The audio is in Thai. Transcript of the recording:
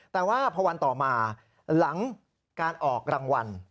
แต่ว่าพอวันต่อมาหลังการออกรางวัล